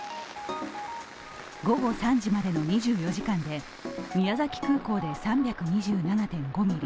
午後３時までの２４時間で、宮崎空港で３２７．５ミリ。